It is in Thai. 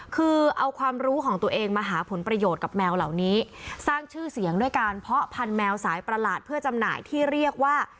คือเอาความรู้ของตัวเองมาหาผลประโยชน์กับแมวเหล่านี้สร้างชื่อเสียงด้วยการเพาะพันธแมวสายประหลาดเพื่อจำหน่ายที่เรียกว่า